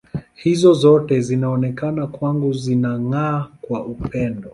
Hizo zote zinaonekana kwangu zinang’aa kwa upendo.